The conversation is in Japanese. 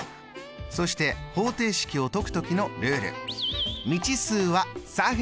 そして方程式を解く時のルール。